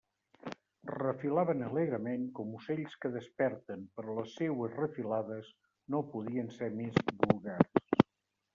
Refilaven alegrement, com ocells que desperten, però les seues refilades no podien ser més vulgars.